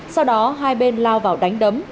sau đó hai bên lao vào đánh đấm